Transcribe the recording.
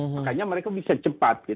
makanya mereka bisa cepat